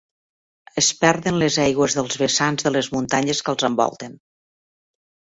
Es perden les aigües dels vessants de les muntanyes que els envolten.